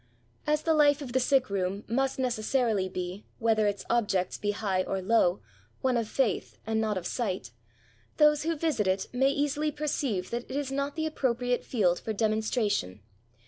As the life of the sick room must necessarily be, whether its objects be high or low, one of faith and not of sight, those who visit it may easily perceive that it is not the appropriate field for demonstration.